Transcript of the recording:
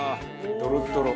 ドロドロ。